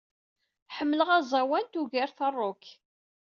Ḥemmleɣ aẓawan, tugart rock.